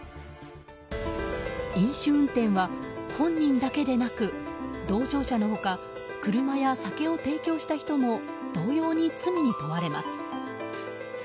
飲酒運転は本人だけでなく同乗者の他車や酒を提供した人も同様に罪に問われます。